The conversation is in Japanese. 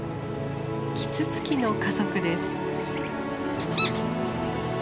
キツツキの家族です。